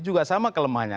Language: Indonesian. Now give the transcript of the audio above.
juga sama kelemahannya